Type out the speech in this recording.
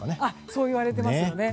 そう言われていますよね。